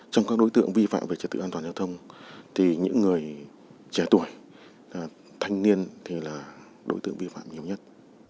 trong các đối tượng vi phạm về trật tự an toàn giao thông thì những người trẻ tuổi thanh niên thì là đối tượng vi phạm nhiều nhất